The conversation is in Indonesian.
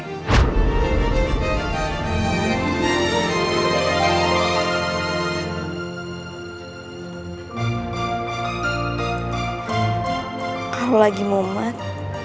kalo lagi memat